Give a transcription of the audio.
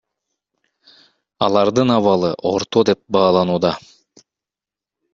Алардын абалы орто деп бааланууда.